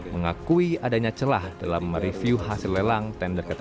mengakui adanya celah dalam mereview hasil lelang tender ktp